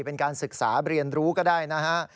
เป็นการศึกษาเรียนรู้ก็ได้นะฮะ